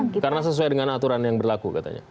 karena sesuai dengan aturan yang berlaku katanya